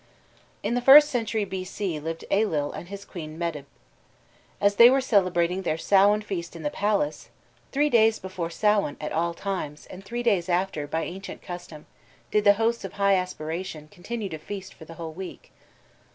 _ In the first century B. C. lived Ailill and his queen Medb. As they were celebrating their Samhain feast in the palace, "Three days before Samhain at all times, And three days after, by ancient custom Did the hosts of high aspiration Continue to feast for the whole week."